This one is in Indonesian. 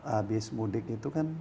abis mudik itu kan